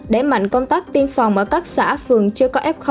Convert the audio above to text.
để mạnh công tác tiêm phòng ở các xã phường chưa có f